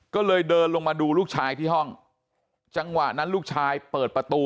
ก็เลยเดินลงมาดูลูกชายที่ห้องจังหวะนั้นลูกชายเปิดประตู